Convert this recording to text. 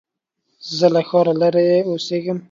زه له ښاره لرې اوسېږم.